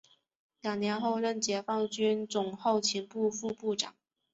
两年后任解放军总后勤部副部长。